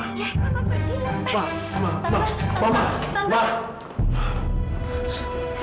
ya papa pergi ma